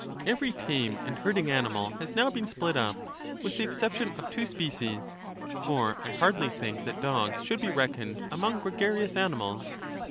Every tame and herding animal has now been split 266 up, with the exception of two species ; for I hardly think that dogs should be reckoned among cregarious^nimals.